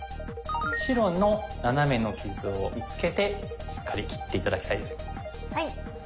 白のナナメの傷を見つけてしっかり切って頂きたいです。